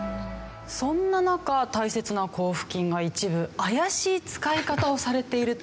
そんな中大切な交付金が一部怪しい使い方をされていると問題視されてるんですよね。